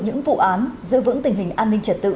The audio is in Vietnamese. những vụ án giữ vững tình hình an ninh trật tự